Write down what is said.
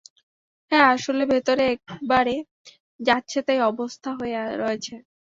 হ্যাঁ, আসলে, ভেতরে একেবারে যাচ্ছেতাই অবস্থা হয়ে রয়েছে।